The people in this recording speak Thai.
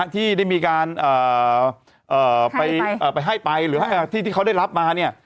ที่ได้มีการไปให้ไปหรือที่ที่เขาได้รับมาเนี่ย